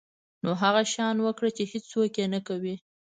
نو هغه شیان وکړه چې هیڅوک یې نه کوي.